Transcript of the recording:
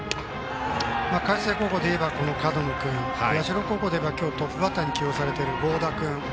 海星高校でいえば角野君社高校でいえば今日トップバッターに起用されている合田君。